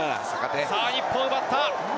さあ、日本、奪った。